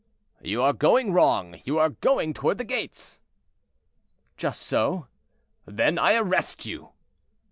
"You are going wrong; you are going toward the gates." "Just so." "Then I arrest you!"